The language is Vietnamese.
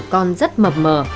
còn rất mập mờ